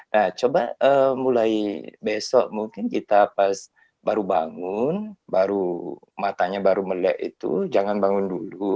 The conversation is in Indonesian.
nah coba mulai besok mungkin kita pas baru bangun baru matanya baru melek itu jangan bangun dulu